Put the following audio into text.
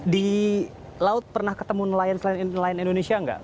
di laut pernah ketemu nelayan indonesia nggak